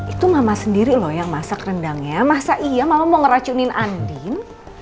itu mama sendiri loh yang masak rendangnya masa iya mama mau ngeracunin andin